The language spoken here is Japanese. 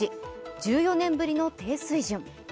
１４年ぶりの低水準。